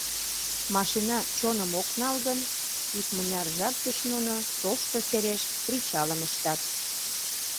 Машина чоным ок нал гын, икмыняр жап гыч нуно тошто сереш причалым ыштат.